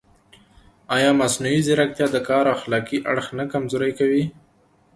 ایا مصنوعي ځیرکتیا د کار اخلاقي اړخ نه کمزوری کوي؟